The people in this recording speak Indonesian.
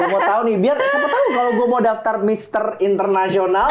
gue mau tau nih biar aku tahu kalau gue mau daftar mr internasional